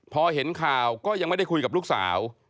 พอเห็นข่าวก็ยังไม่ได้คุยกับลูกสาว